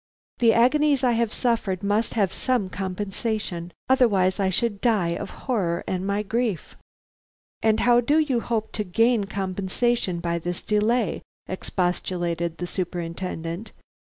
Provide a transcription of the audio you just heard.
The agonies I have suffered must have some compensation. Otherwise I should die of horror and my grief." "And how do you hope to gain compensation by this delay?" expostulated the Superintendent.